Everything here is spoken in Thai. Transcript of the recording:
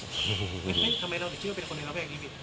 ทำไมเราจะเชื่อว่าเป็นคนในระแวกที่นี่บิด